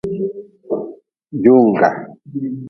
Jungga.